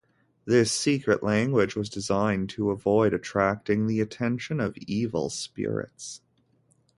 This secret language was designed to avoid attracting the attention of evil spirits.